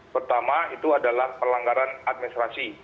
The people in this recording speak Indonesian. pertama itu adalah pelanggaran administrasi